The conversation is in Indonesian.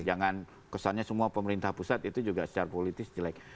dan kesannya semua pemerintah pusat itu juga secara politis jelek